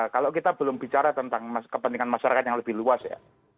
kalau kita belum bicara tentang kepentingan masyarakat yang lebih luas ya